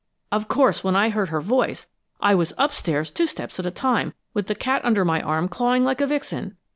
"Of course, when I heard her voice, I was upstairs two steps at a time, with the cat under my arm clawing like a vixen.